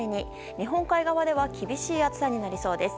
日本海側では厳しい暑さになりそうです。